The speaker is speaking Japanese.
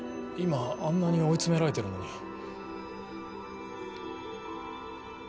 今あんなに追い詰められてるのに。